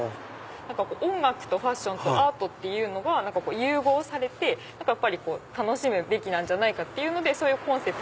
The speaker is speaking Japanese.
音楽とファッションとアートが融合されて楽しむべきなんじゃないかというそういうコンセプトで。